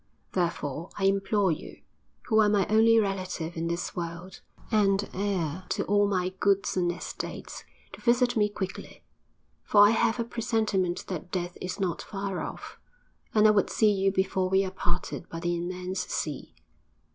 Therefore I implore you who are my only relative in this world, and heir to all my goods and estates to visit me quickly, for I have a presentiment that death is not far off, and I would see you before we are parted by the immense sea.